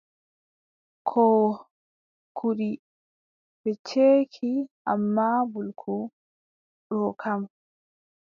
Koo kuɗi ɓe ceeki ammaa mbulku ɗoo kam,